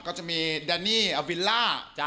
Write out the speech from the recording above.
ก็จะมีดานี่อวิลล่า